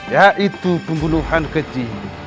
yaitu pembunuhan keji